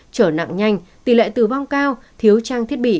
trở nặng nhanh tỷ lệ tử vong cao thiếu trang thiết bị